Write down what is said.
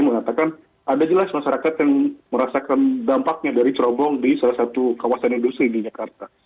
mengatakan ada jelas masyarakat yang merasakan dampaknya dari cerobong di salah satu kawasan industri di jakarta